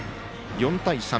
４対３。